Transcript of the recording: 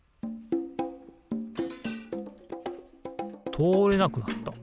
とおれなくなった。